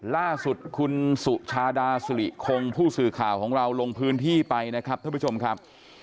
ล่าสุดคุณสุชาดาสุริคงผู้สื่อข่าวของเราลงพื้นที่ไปนะครับท่านผู้ชมครับ